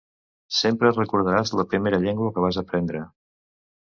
Sempre recordaràs la primera llengua que vas aprendre.